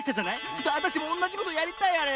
ちょっとあたしもおんなじことやりたいあれ。